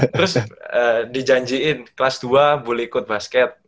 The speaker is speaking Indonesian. terus dijanjiin kelas dua boleh ikut basket